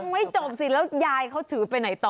ไม่จบสิแล้วยายเขาถือไปไหนต่อ